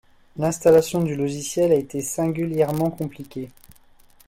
L'installation du logiciel a été singulièrement compliquée